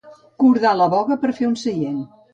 Cordar la boga per a fer un seient.